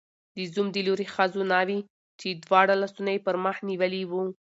د زوم د لوري ښځو ناوې، چې دواړه لاسونه یې پر مخ نیولي وو